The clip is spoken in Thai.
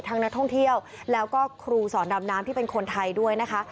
นักท่องเที่ยวแล้วก็ครูสอนดำน้ำที่เป็นคนไทยด้วยนะคะ